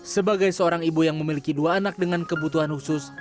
sebagai seorang ibu yang memiliki dua anak dengan kebutuhan khusus